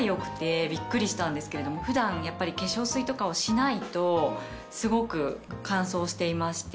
したんですけれども普段化粧水とかをしないとすごく乾燥していまして。